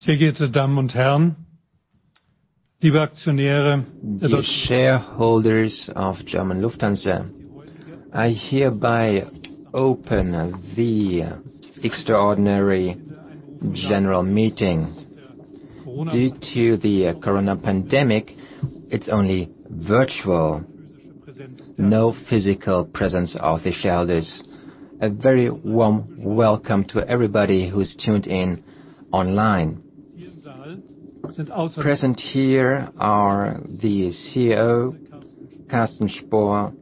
Dear ladies and gentlemen, dear shareholders of Deutsche Lufthansa, I hereby open the extraordinary general meeting. Due to the COVID-19 pandemic, it's only virtual, no physical presence of the shareholders. A very warm welcome to everybody who's tuned in online. Present here are the CEO, Carsten Spohr,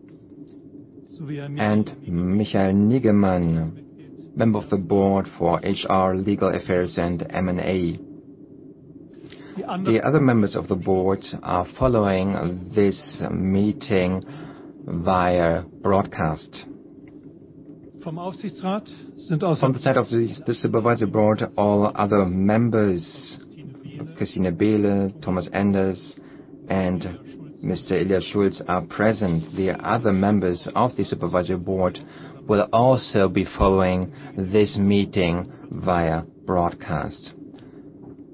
and Michael Niggemann, Member of the Board for HR, Legal Affairs, and M&A. The other members of the Board are following this meeting via broadcast. From the side of the Supervisory Board, all other members, Christine Behle, Thomas Enders, and Mr. Ilja Schulz are present. The other members of the Supervisory Board will also be following this meeting via broadcast.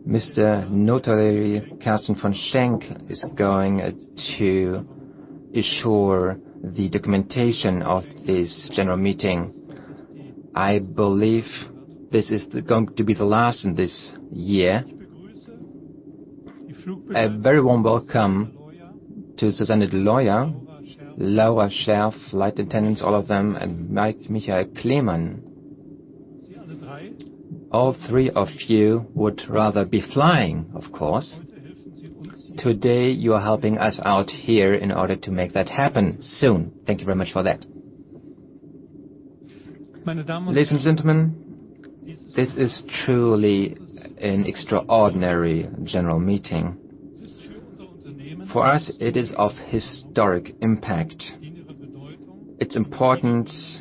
Mr. Notary, Kersten von Schenck, is going to ensure the documentation of this general meeting. I believe this is going to be the last in this year. A very warm welcome to Susanne Rudloya, Laura Scherf, flight attendants, all of them, and Michael Kleemann. All three of you would rather be flying, of course. Today, you are helping us out here in order to make that happen soon. Thank you very much for that. Ladies and gentlemen, this is truly an extraordinary general meeting. For us, it is of historic impact. Its importance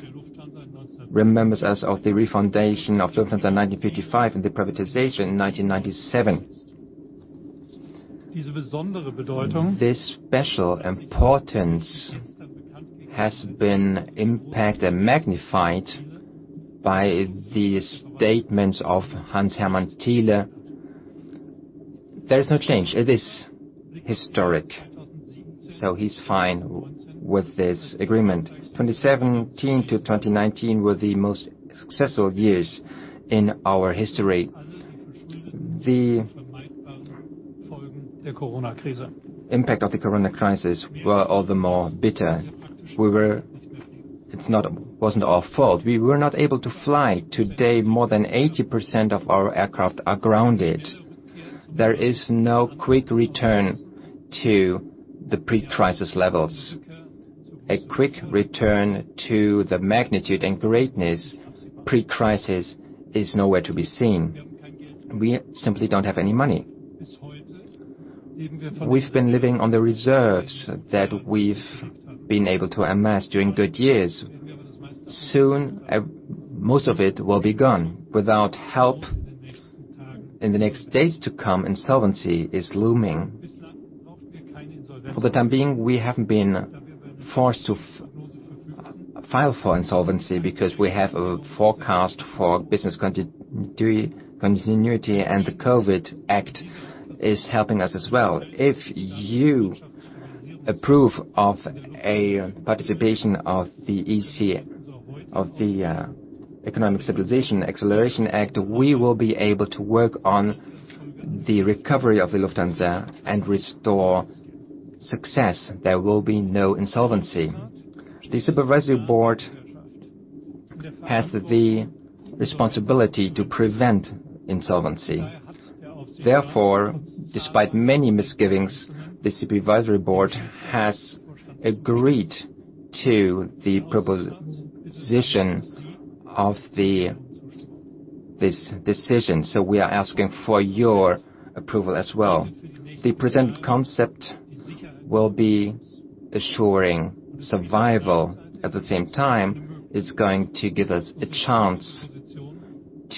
remembers us of the refoundation of Lufthansa in 1955 and the privatization in 1997. This special importance has been impacted and magnified by the statements of Heinz Hermann Thiele. There is no change. It is historic, so he's fine with this agreement. 2017 to 2019 were the most successful years in our history. The impact of the COVID crisis was all the more bitter. It wasn't our fault. We were not able to fly. Today, more than 80% of our aircraft are grounded. There is no quick return to the pre-crisis levels. A quick return to the magnitude and greatness pre-crisis is nowhere to be seen. We simply don't have any money. We've been living on the reserves that we've been able to amass during good years. Soon, most of it will be gone. Without help, in the next days to come, insolvency is looming. For the time being, we haven't been forced to file for insolvency because we have a forecast for business continuity, and the COVID Act is helping us as well. If you approve a participation of the Economic Stabilization Acceleration Act, we will be able to work on the recovery of Lufthansa and restore success. There will be no insolvency. The supervisory board has the responsibility to prevent insolvency. Despite many misgivings, the supervisory board has agreed to the proposition of this decision. We are asking for your approval as well. The present concept will be assuring survival. At the same time, it's going to give us a chance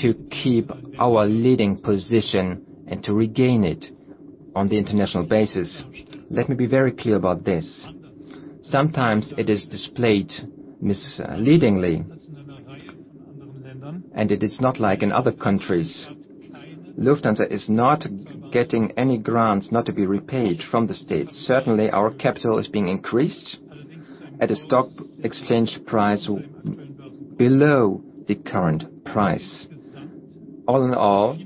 to keep our leading position and to regain it on the international basis. Let me be very clear about this. Sometimes it is displayed misleadingly, and it is not like in other countries. Lufthansa is not getting any grants not to be repaid from the state. Certainly, our capital is being increased at a stock exchange price below the current price. All in all,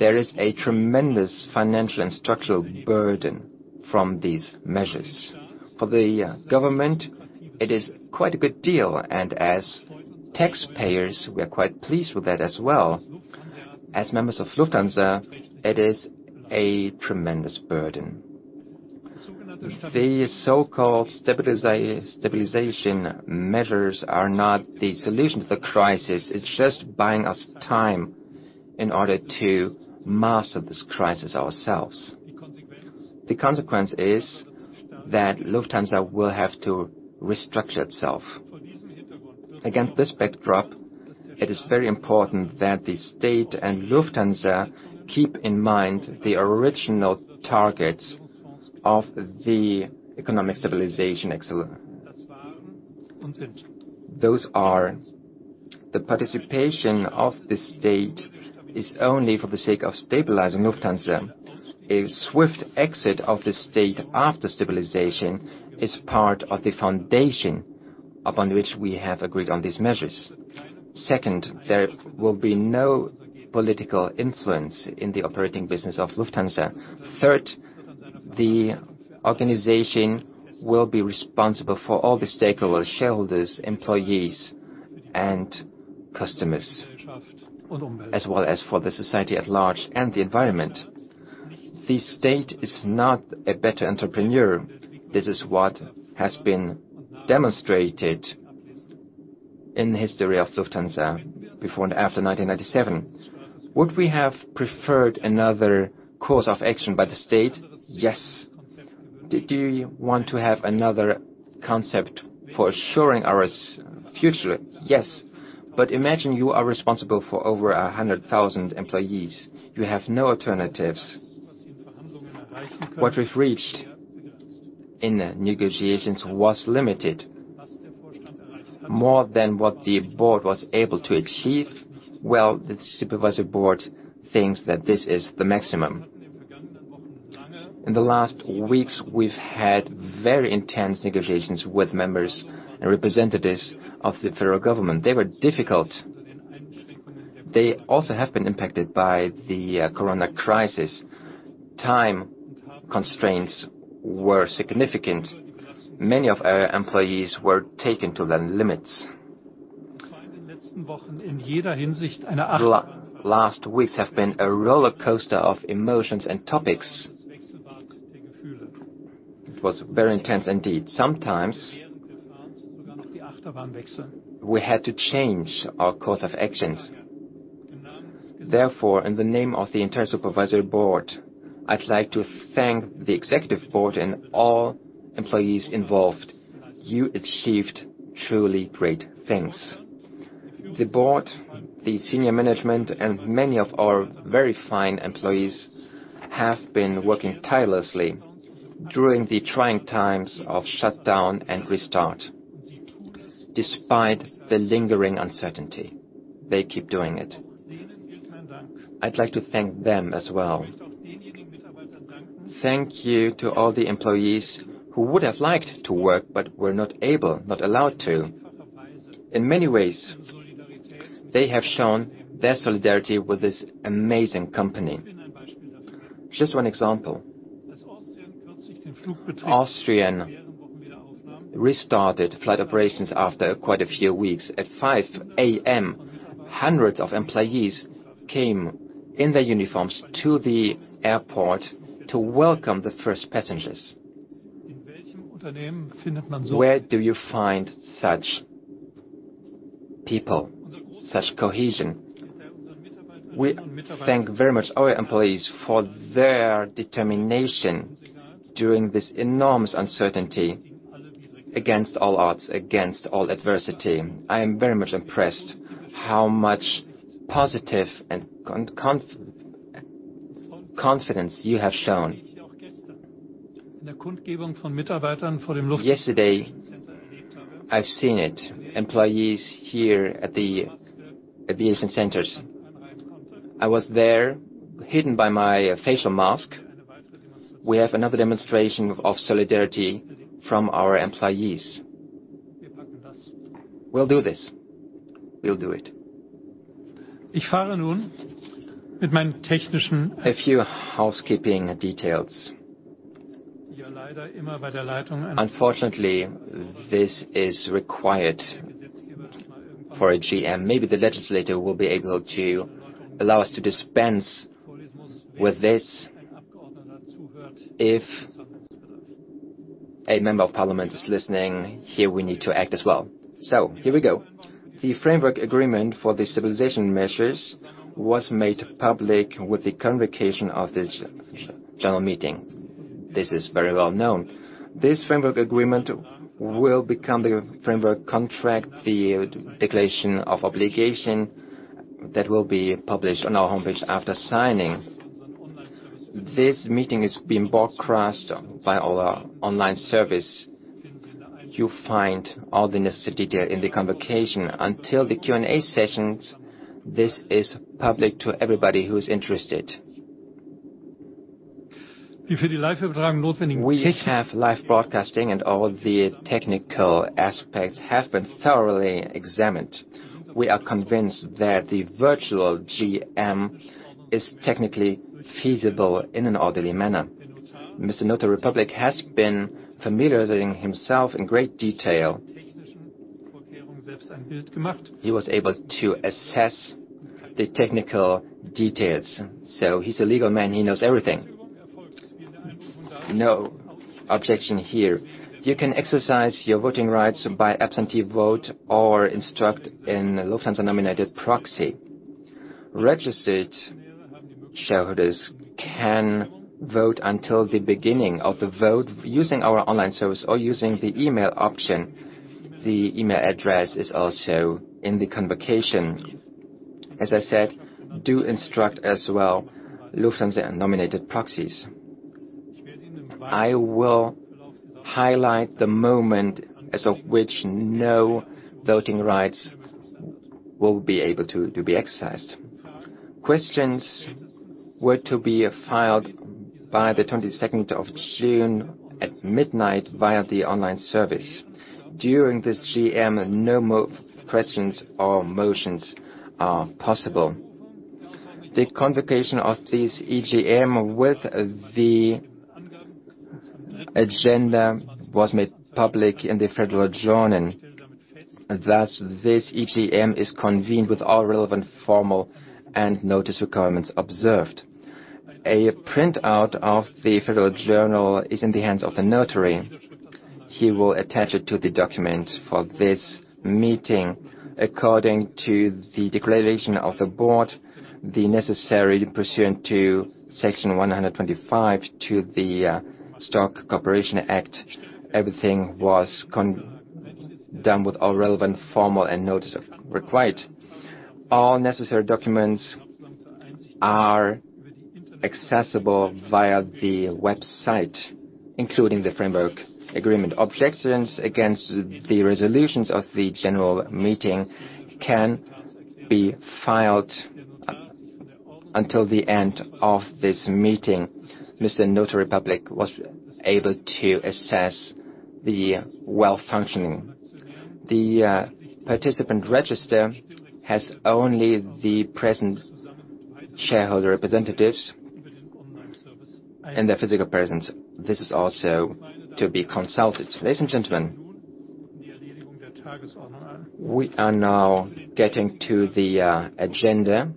there is a tremendous financial and structural burden from these measures. For the government, it is quite a good deal, and as taxpayers, we are quite pleased with that as well. As members of Lufthansa, it is a tremendous burden. The so-called stabilization measures are not the solution to the crisis. It is just buying us time in order to master this crisis ourselves. The consequence is that Lufthansa will have to restructure itself. Against this backdrop, it is very important that the state and Lufthansa keep in mind the original targets of the Economic Stabilization Act. Those are the participation of the state is only for the sake of stabilizing Lufthansa. A swift exit of the state after stabilization is part of the foundation upon which we have agreed on these measures. Second, there will be no political influence in the operating business of Lufthansa. Third, the organization will be responsible for all the stakeholders, shareholders, employees, and customers, as well as for the society at large and the environment. The state is not a better entrepreneur. This is what has been demonstrated in the history of Lufthansa before and after 1997. Would we have preferred another course of action by the state? Yes. Do we want to have another concept for assuring our future? Yes. Imagine you are responsible for over 100,000 employees. You have no alternatives. What we've reached in the negotiations was limited. More than what the board was able to achieve, well, the supervisory board thinks that this is the maximum. In the last weeks, we've had very intense negotiations with members and representatives of the federal government. They were difficult. They also have been impacted by the COVID crisis. Time constraints were significant. Many of our employees were taken to their limits. The last weeks have been a roller coaster of emotions and topics. It was very intense indeed. Sometimes, we had to change our course of actions. Therefore, in the name of the entire supervisory board, I'd like to thank the executive board and all employees involved. You achieved truly great things. The board, the senior management, and many of our very fine employees have been working tirelessly during the trying times of shutdown and restart. Despite the lingering uncertainty, they keep doing it. I'd like to thank them as well. Thank you to all the employees who would have liked to work, but were not able, not allowed to. In many ways, they have shown their solidarity with this amazing company. Just one example. Austrian restarted flight operations after quite a few weeks. At 5:00 A.M., hundreds of employees came in their uniforms to the airport to welcome the first passengers. Where do you find such people, such cohesion. We thank very much our employees for their determination during this enormous uncertainty against all odds, against all adversity. I am very much impressed how much positive and confidence you have shown. Yesterday, I've seen it, employees here at the aviation centers. I was there hidden by my facial mask. We have another demonstration of solidarity from our employees. We'll do this. We'll do it. A few housekeeping details. Unfortunately, this is required for a GM. Maybe the legislator will be able to allow us to dispense with this if a member of parliament is listening. Here we need to act as well. Here we go. The framework agreement for the stabilization measures was made public with the convocation of this general meeting. This is very well known. This framework agreement will become the framework contract, the declaration of obligation that will be published on our homepage after signing. This meeting is being broadcast by our online service. You'll find all the necessary detail in the convocation. Until the Q&A sessions, this is public to everybody who's interested. We have live broadcasting, and all the technical aspects have been thoroughly examined. We are convinced that the virtual GM is technically feasible in an orderly manner. Mr. Notary Public has been familiarizing himself in great detail. He was able to assess the technical details. He's a legal man. He knows everything. No objection here. You can exercise your voting rights by absentee vote or instruct in Lufthansa-nominated proxy. Registered shareholders can vote until the beginning of the vote using our online service or using the email option. The email address is also in the convocation. As I said, do instruct as well Lufthansa-nominated proxies. I will highlight the moment as of which no voting rights will be able to be exercised. Questions were to be filed by the 22nd of June at midnight via the online service. During this GM, no more questions or motions are possible. The convocation of this EGM with the agenda was made public in the Federal Gazette. This EGM is convened with all relevant formal and notice requirements observed. A printout of the Federal Gazette is in the hands of the notary. He will attach it to the document for this meeting. According to the declaration of the board, the necessary pursuant to Section 125 to the Stock Corporation Act, everything was done with all relevant formal and notice required. All necessary documents are accessible via the website, including the framework agreement. Objections against the resolutions of the general meeting can be filed until the end of this meeting. Mr. Notar Republic was able to assess the well functioning. The participant register has only the present shareholder representatives and their physical presence. This is also to be consulted. Ladies and gentlemen, we are now getting to the agenda.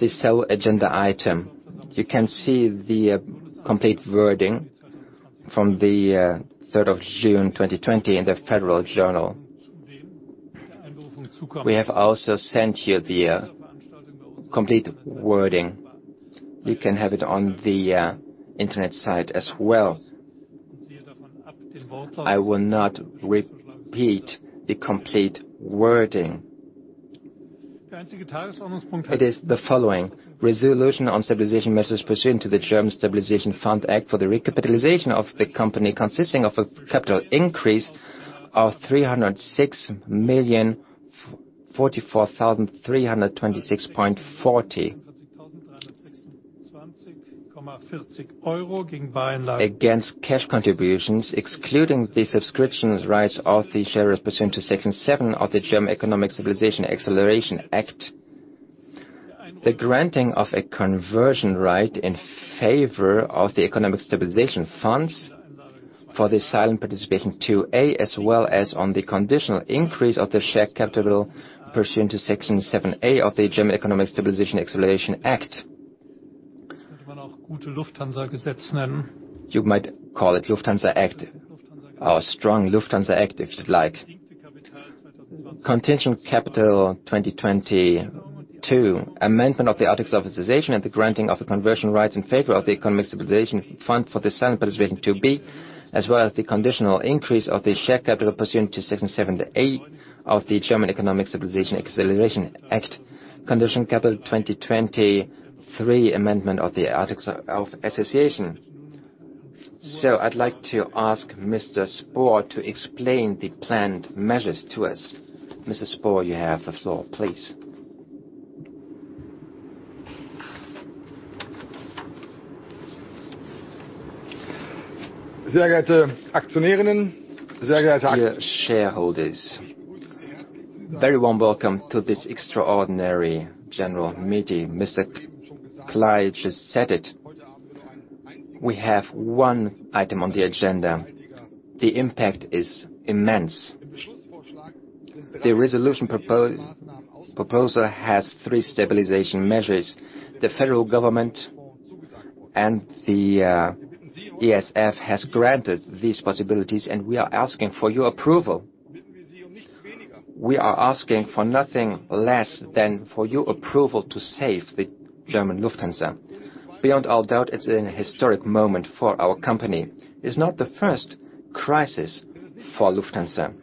The sole agenda item. You can see the complete wording from the 3rd of June 2020 in the Federal Gazette. We have also sent you the complete wording. You can have it on the internet site as well. I will not repeat the complete wording. It is the following: resolution on stabilization measures pursuant to the Economic Stabilization Fund Act for the recapitalization of the company, consisting of a capital increase of EUR 306,044,326.40 against cash contributions, excluding the subscription rights of the shareholders pursuant to Section 7 of the German Economic Stabilization Acceleration Act. The granting of a conversion right in favor of the Economic Stabilization Fund for the silent participation 2A, as well as on the conditional increase of the share capital pursuant to Section 7a of the German Economic Stabilization Acceleration Act. You might call it Lufthansa Act, our strong Lufthansa Act, if you'd like. Contingent capital 2022. Amendment of the articles of association and the granting of the conversion rights in favor of the Economic Stabilization Fund for the silent participation 2B, as well as the conditional increase of the share capital pursuant to Section 7a of the German Economic Stabilization Acceleration Act. Contingent capital 2023 amendment of the articles of association. I'd like to ask Mr. Spohr to explain the planned measures to us. Mr. Spohr, you have the floor, please. Dear shareholders. Very warm welcome to this extraordinary general meeting. Mr. Kley just said it. We have one item on the agenda. The impact is immense. The resolution proposer has three stabilization measures. The federal government and the ESF has granted these possibilities, we are asking for your approval. We are asking for nothing less than for your approval to save the Deutsche Lufthansa. Beyond all doubt, it's an historic moment for our company. It's not the first crisis for Lufthansa.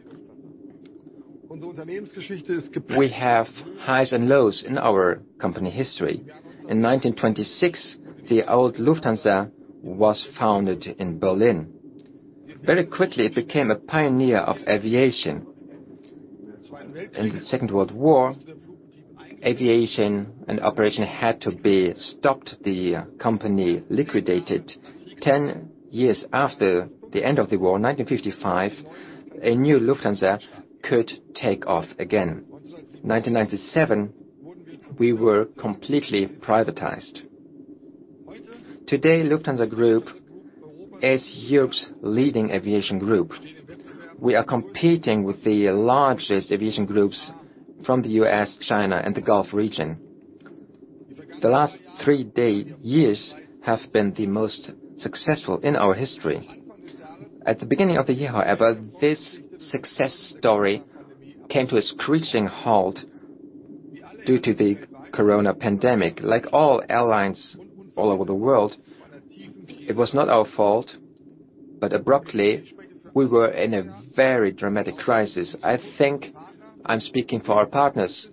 We have highs and lows in our company history. In 1926, the old Lufthansa was founded in Berlin. Very quickly, it became a pioneer of aviation. In the Second World War, aviation and operation had to be stopped, the company liquidated. 10 years after the end of the war, 1955, a new Lufthansa could take off again. 1997, we were completely privatized. Today, Lufthansa Group is Europe's leading aviation group. We are competing with the largest aviation groups from the U.S., China, and the Gulf region. The last three years have been the most successful in our history. At the beginning of the year, however, this success story came to a screeching halt due to the COVID-19 pandemic. Like all airlines all over the world, it was not our fault. Abruptly, we were in a very dramatic crisis. I think I'm speaking for our partners,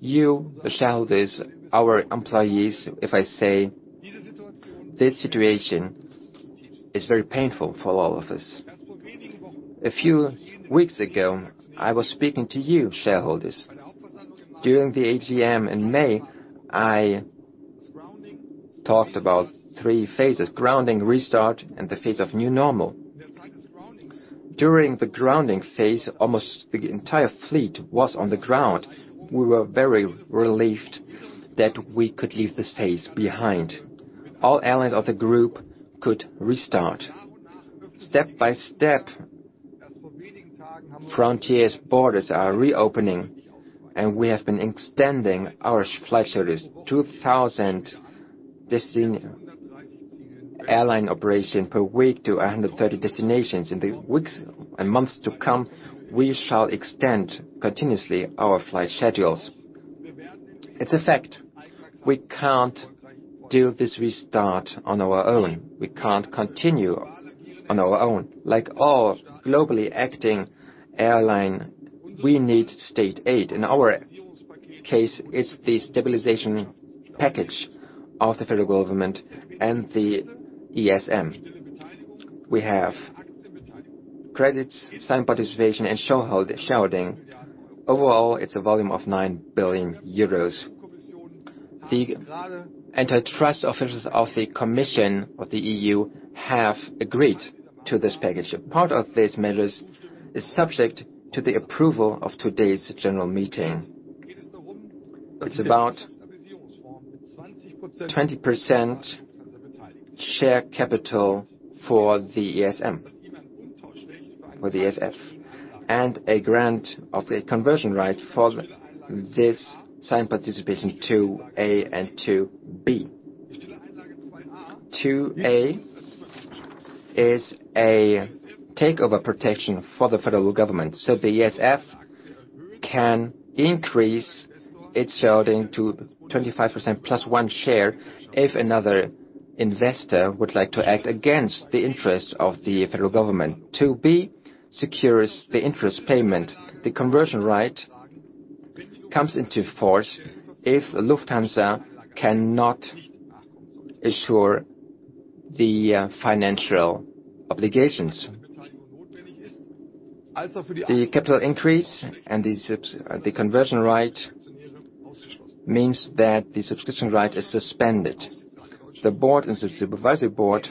you, the shareholders, our employees, if I say this situation is very painful for all of us. A few weeks ago, I was speaking to you, shareholders. During the AGM in May, I talked about three phases, grounding, restart, and the phase of new normal. During the grounding phase, almost the entire fleet was on the ground. We were very relieved that we could leave this phase behind. All airlines of the Lufthansa Group could restart. Step by step, frontiers, borders are reopening, and we have been extending our flight schedules, 2,000 airline operations per week to 130 destinations. In the weeks and months to come, we shall extend continuously our flight schedules. It's a fact. We can't do this restart on our own. We can't continue on our own. Like all globally acting airlines, we need state aid. In our case, it's the stabilization package of the federal government and the ESF. We have credits, silent participation, and shareholding. Overall, it's a volume of 9 billion euros. The antitrust officials of the commission of the EU have agreed to this package. A part of these measures is subject to the approval of today's general meeting. It's about 20% share capital for the ESF, for the ESF, and a grant of the conversion right for this silent participation 2A and 2B. 2A is a takeover protection for the Federal Government so the ESF can increase its shareholding to 25% plus one share if another investor would like to act against the interest of the Federal Government. 2B secures the interest payment. The conversion right comes into force if Lufthansa cannot assure the financial obligations. The capital increase and the conversion right means that the subscription right is suspended. The board and the supervisory board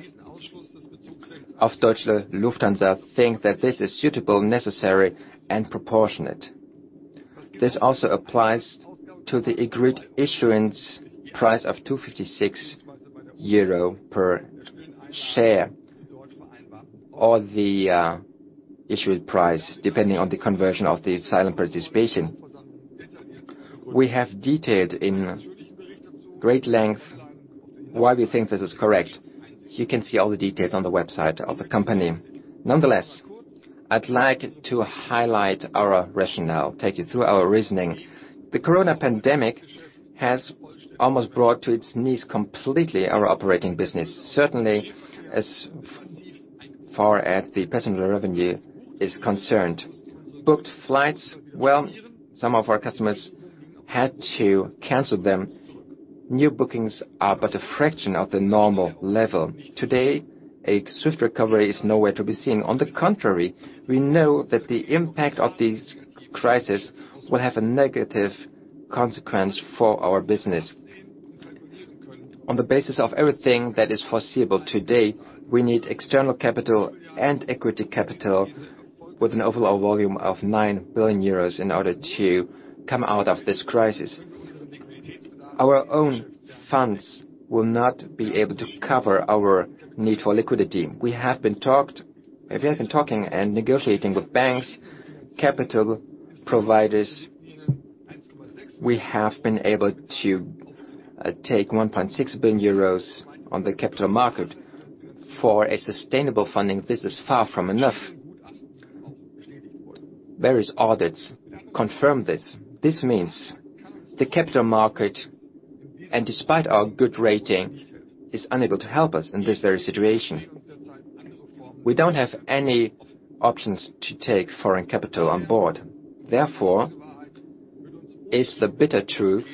of Deutsche Lufthansa think that this is suitable, necessary, and proportionate. This also applies to the agreed issuance price of 256 euro per share, or the issued price, depending on the conversion of the silent participation. We have detailed in great length why we think this is correct. You can see all the details on the website of the company. Nonetheless, I'd like to highlight our rationale, take you through our reasoning. The corona pandemic has almost brought to its knees completely our operating business, certainly as far as the passenger revenue is concerned. Booked flights, well, some of our customers had to cancel them. New bookings are but a fraction of the normal level. Today, a swift recovery is nowhere to be seen. On the contrary, we know that the impact of this crisis will have a negative consequence for our business. On the basis of everything that is foreseeable today, we need external capital and equity capital with an overall volume of 9 billion euros in order to come out of this crisis. Our own funds will not be able to cover our need for liquidity. We have been talking and negotiating with banks, capital providers. We have been able to take 1.6 billion euros on the capital market for a sustainable funding. This is far from enough. Various audits confirm this. This means the capital market, and despite our good rating, is unable to help us in this very situation. We don't have any options to take foreign capital on board. Therefore, is the bitter truth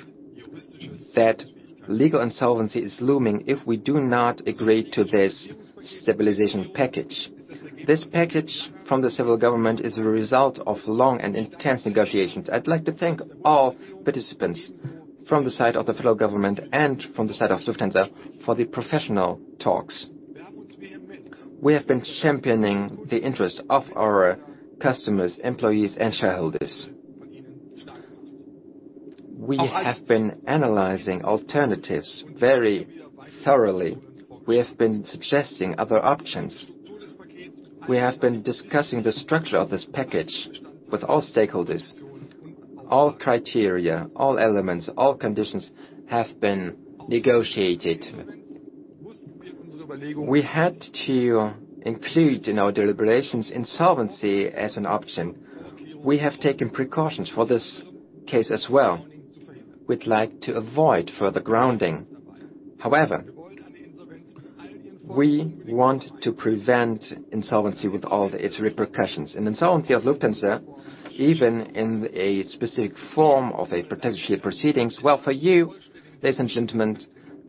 that legal insolvency is looming if we do not agree to this stabilization package. This package from the federal government is a result of long and intense negotiations. I'd like to thank all participants from the side of the federal government and from the side of Lufthansa for the professional talks. We have been championing the interest of our customers, employees, and shareholders. We have been analyzing alternatives very thoroughly. We have been suggesting other options. We have been discussing the structure of this package with all stakeholders. All criteria, all elements, all conditions have been negotiated. We had to include in our deliberations insolvency as an option. We have taken precautions for this case as well. We'd like to avoid further grounding. We want to prevent insolvency with all its repercussions. An insolvency of Lufthansa, even in a specific form of a potential proceedings, well, for you, ladies and gentlemen,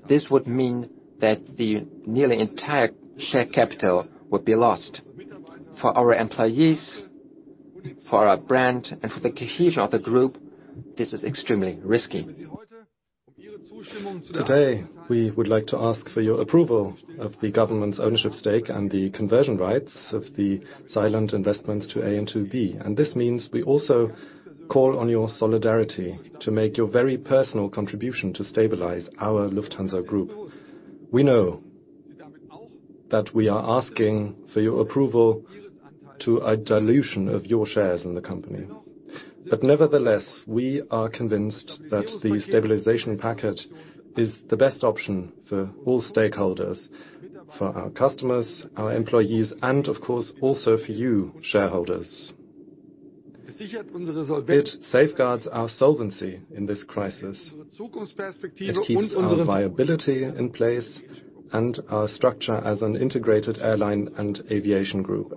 this would mean that the nearly entire share capital would be lost. For our employees, for our brand, and for the cohesion of the group, this is extremely risky. Today, we would like to ask for your approval of the government's ownership stake and the conversion rights of the silent participations 2A and 2B. This means we also call on your solidarity to make your very personal contribution to stabilize our Lufthansa Group. We know that we are asking for your approval to a dilution of your shares in the company. Nevertheless, we are convinced that the stabilization package is the best option for all stakeholders, for our customers, our employees, and of course, also for you shareholders. It safeguards our solvency in this crisis. It keeps our viability in place and our structure as an integrated airline and aviation group.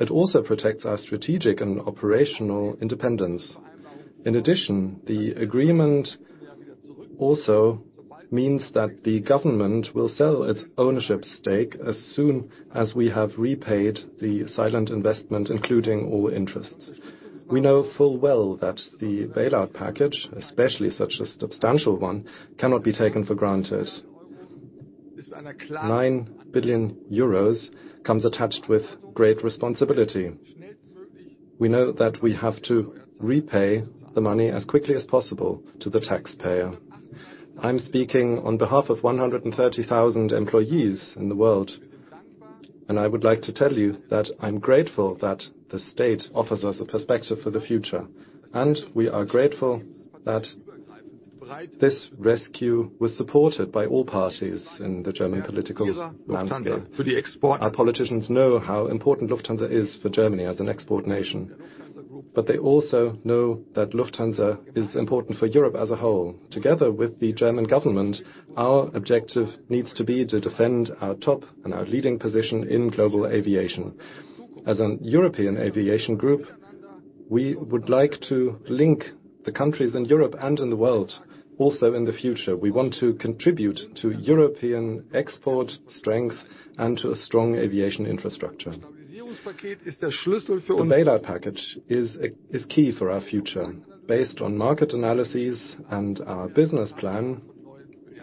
It also protects our strategic and operational independence. In addition, the agreement also means that the government will sell its ownership stake as soon as we have repaid the silent participation, including all interests. We know full well that the bailout package, especially such a substantial one, cannot be taken for granted. 9 billion euros comes attached with great responsibility. We know that we have to repay the money as quickly as possible to the taxpayer. I'm speaking on behalf of 130,000 employees in the world, and I would like to tell you that I'm grateful that the state offers us the perspective for the future, and we are grateful that this rescue was supported by all parties in the German political landscape. Our politicians know how important Lufthansa is for Germany as an export nation, but they also know that Lufthansa is important for Europe as a whole. Together with the German government, our objective needs to be to defend our top and our leading position in global aviation. As a European aviation group, we would like to link the countries in Europe and in the world also in the future. We want to contribute to European export strength and to a strong aviation infrastructure. The bailout package is key for our future. Based on market analyses and our business plan,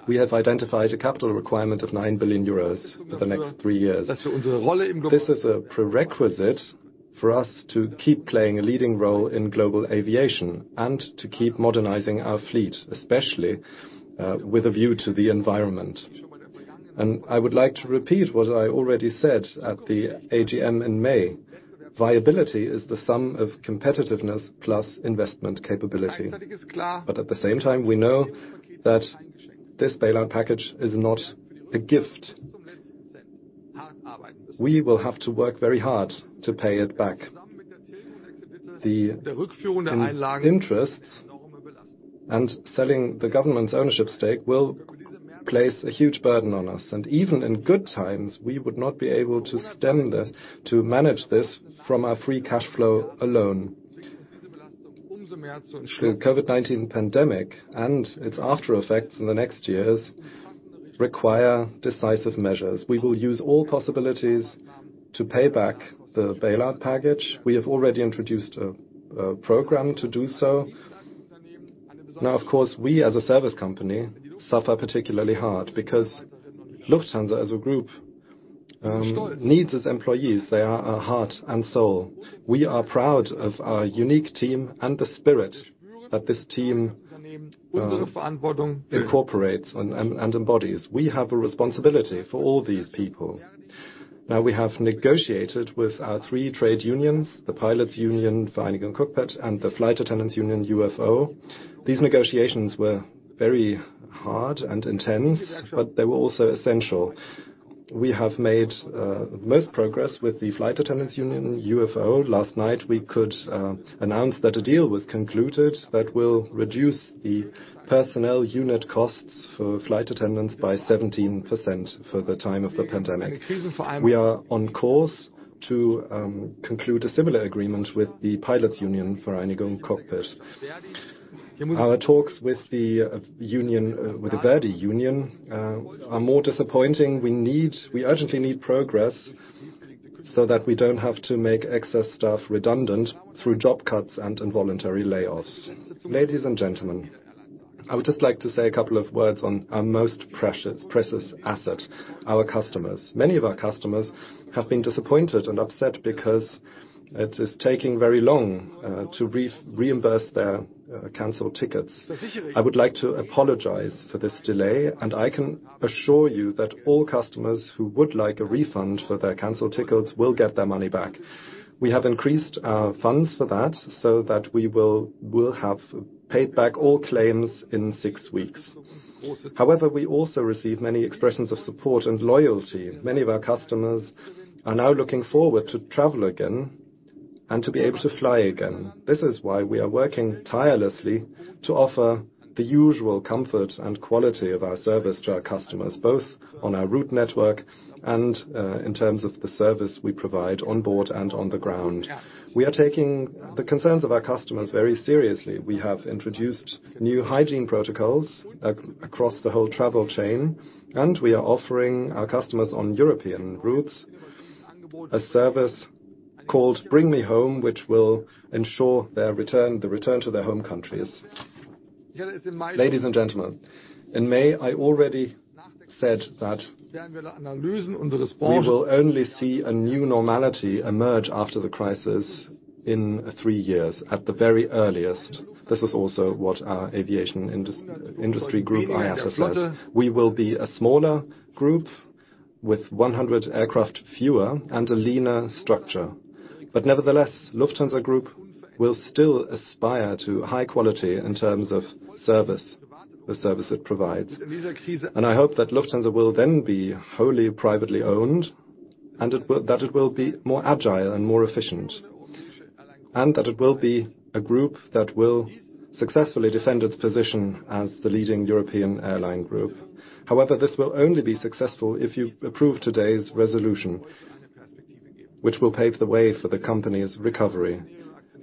we have identified a capital requirement of 9 billion euros for the next three years. This is a prerequisite for us to keep playing a leading role in global aviation and to keep modernizing our fleet, especially with a view to the environment. I would like to repeat what I already said at the AGM in May. Viability is the sum of competitiveness plus investment capability. At the same time, we know that this bailout package is not a gift. We will have to work very hard to pay it back. The interests and selling the government's ownership stake will place a huge burden on us, and even in good times, we would not be able to manage this from our free cash flow alone. The COVID-19 pandemic and its aftereffects in the next years require decisive measures. We will use all possibilities to pay back the bailout package. We have already introduced a program to do so. Now, of course, we as a service company suffer particularly hard because Lufthansa as a group needs its employees. They are our heart and soul. We are proud of our unique team and the spirit that this team incorporates and embodies. We have a responsibility for all these people. Now, we have negotiated with our three trade unions, the Pilots Union, Vereinigung Cockpit, and the Flight Attendants Union, UFO. These negotiations were very hard and intense, but they were also essential. We have made the most progress with the Flight Attendants Union, UFO. Last night, we could announce that a deal was concluded that will reduce the personnel unit costs for flight attendants by 17% for the time of the pandemic. We are on course to conclude a similar agreement with the Pilots Union, Vereinigung Cockpit. Our talks with the ver.di Union are more disappointing. We urgently need progress so that we don't have to make excess staff redundant through job cuts and involuntary layoffs. Ladies and gentlemen, I would just like to say a couple of words on our most precious asset, our customers. Many of our customers have been disappointed and upset because it is taking very long to reimburse their canceled tickets. I would like to apologize for this delay, and I can assure you that all customers who would like a refund for their canceled tickets will get their money back. We have increased our funds for that so that we will have paid back all claims in six weeks. However, we also receive many expressions of support and loyalty. Many of our customers are now looking forward to travel again and to be able to fly again. This is why we are working tirelessly to offer the usual comfort and quality of our service to our customers, both on our route network and in terms of the service we provide on board and on the ground. We are taking the concerns of our customers very seriously. We have introduced new hygiene protocols across the whole travel chain, and we are offering our customers on European routes a service called Bring Me Home, which will ensure the return to their home countries. Ladies and gentlemen, in May, I already said that we will only see a new normality emerge after the crisis in three years at the very earliest. This is also what our aviation industry group, IATA, says. We will be a smaller group with 100 aircraft fewer and a leaner structure. Nevertheless, Lufthansa Group will still aspire to high quality in terms of service, the service it provides. I hope that Lufthansa will then be wholly privately owned, and that it will be more agile and more efficient, and that it will be a group that will successfully defend its position as the leading European airline group. However, this will only be successful if you approve today's resolution, which will pave the way for the company's recovery.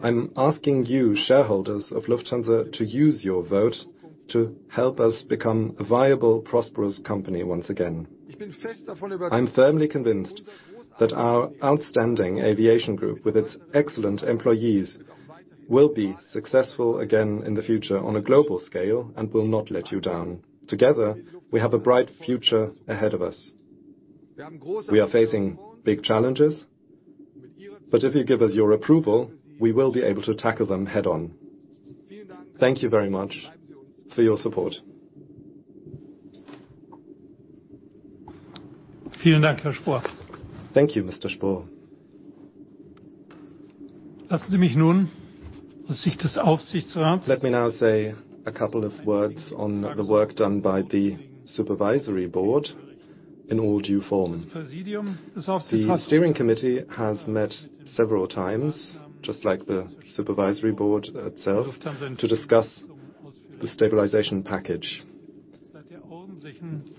I'm asking you, shareholders of Lufthansa, to use your vote to help us become a viable, prosperous company once again. I'm firmly convinced that our outstanding aviation group, with its excellent employees, will be successful again in the future on a global scale and will not let you down. Together, we have a bright future ahead of us. We are facing big challenges. If you give us your approval, we will be able to tackle them head-on. Thank you very much for your support. Thank you, Mr. Spohr. Let me now say a couple of words on the work done by the supervisory board in all due form. The steering committee has met several times, just like the supervisory board itself, to discuss the stabilization package.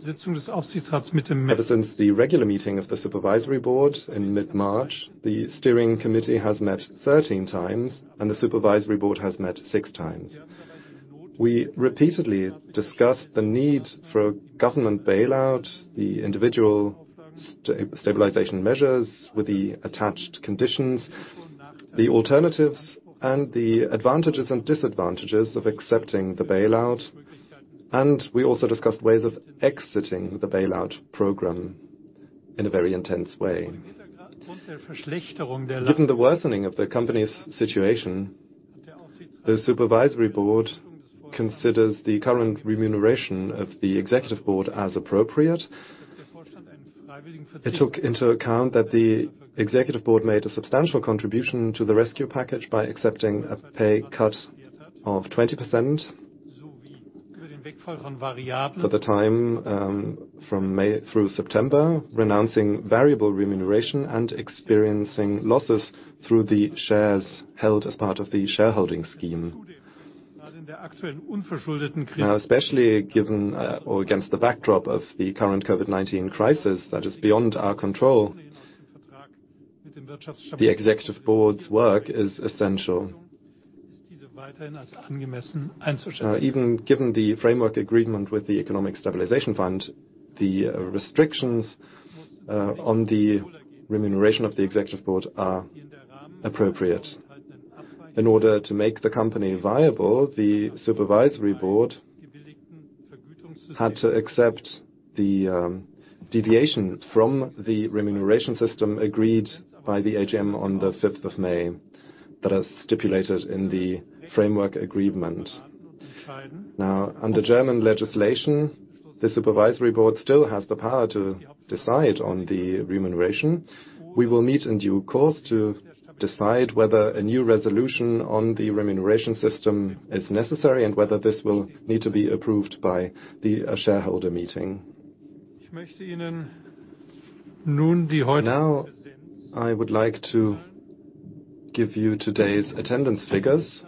Ever since the regular meeting of the supervisory board in mid-March, the steering committee has met 13 times, and the supervisory board has met six times. We repeatedly discussed the need for a government bailout, the individual stabilization measures with the attached conditions, the alternatives, and the advantages and disadvantages of accepting the bailout, and we also discussed ways of exiting the bailout program in a very intense way. Given the worsening of the company's situation, the supervisory board considers the current remuneration of the executive board as appropriate. It took into account that the executive board made a substantial contribution to the rescue package by accepting a pay cut of 20% for the time from May through September, renouncing variable remuneration, and experiencing losses through the shares held as part of the shareholding scheme. Especially against the backdrop of the current COVID-19 crisis that is beyond our control, the executive board's work is essential. Even given the framework agreement with the Economic Stabilization Fund, the restrictions on the remuneration of the executive board are appropriate. In order to make the company viable, the supervisory board had to accept the deviation from the remuneration system agreed by the AGM on the 5th of May, that are stipulated in the framework agreement. Under German legislation, the supervisory board still has the power to decide on the remuneration. We will meet in due course to decide whether a new resolution on the remuneration system is necessary and whether this will need to be approved by the shareholder meeting. I would like to give you today's attendance figures.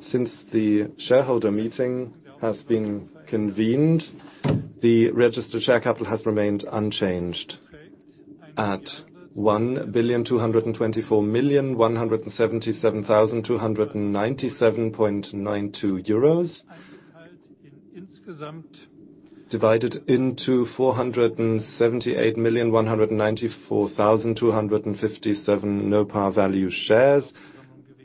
Since the shareholder meeting has been convened, the registered share capital has remained unchanged at EUR 1,224,177,297.92, divided into 478,194,257 no-par value shares,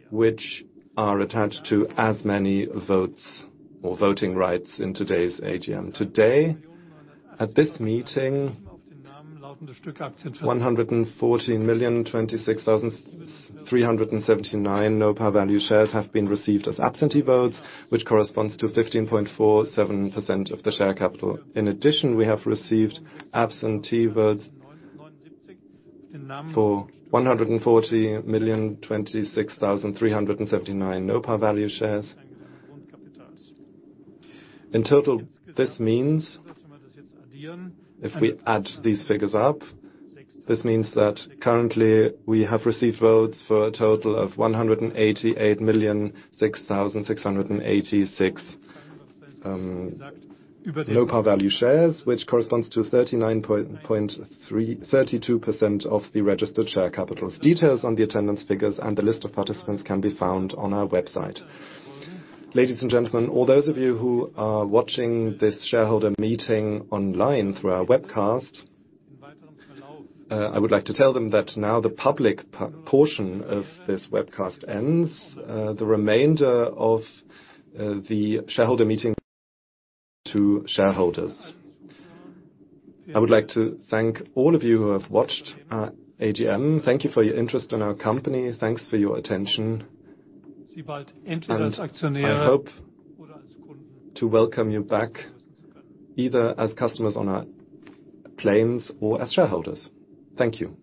which are attached to as many votes or voting rights in today's AGM. Today, at this meeting, 114,026,379 no-par value shares have been received as absentee votes, which corresponds to 15.47% of the share capital. In addition, we have received absentee votes for 140,026,379 no-par value shares. In total, if we add these figures up, this means that currently, we have received votes for a total of 188,006,686 no-par value shares, which corresponds to 32% of the registered share capital. Details on the attendance figures and the list of participants can be found on our website. Ladies and gentlemen, all those of you who are watching this shareholder meeting online through our webcast, I would like to tell them that now the public portion of this webcast ends. The remainder of the shareholder meeting is to shareholders. I would like to thank all of you who have watched our AGM. Thank you for your interest in our company. Thanks for your attention, and I hope to welcome you back either as customers on our planes or as shareholders. Thank you.